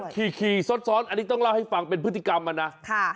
ขี่ซ้อนอันนี้ต้องเล่าให้ฟังเป็นพฤติกรรมนะ